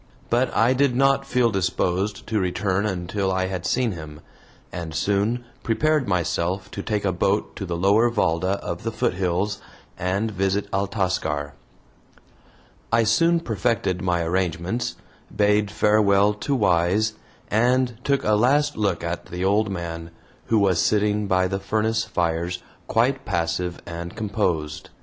But I did not feel disposed to return until I had seen him, and soon prepared myself to take a boat to the lower VALDA of the foothills, and visit Altascar. I soon perfected my arrangements, bade farewell to Wise, and took a last look at the old man, who was sitting by the furnace fires quite passive and composed.